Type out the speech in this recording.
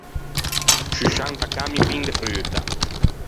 Sciuscianta cammi pin de fruta.